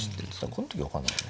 この時分かんなかった。